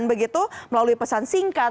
dan begitu melalui pesan singkat